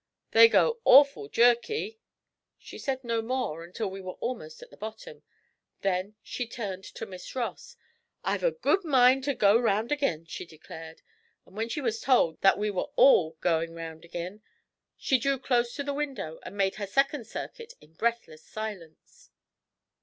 They go awful jerky.' She said no more until we were almost at the bottom, then she turned to Miss Ross: 'I've a good mind to go round ag'in,' she declared, and when she was told that we were all 'going round ag'in,' she drew close to the window and made her second circuit in breathless silence.